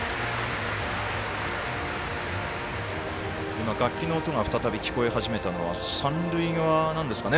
今、楽器の音が再び聞こえ始めたのは三塁側なんですかね